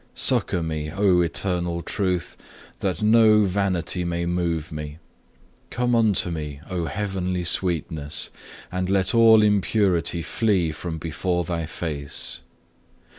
Succour me, O Eternal Truth, that no vanity may move me. Come unto me, O Heavenly Sweetness, and let all impurity flee from before Thy face.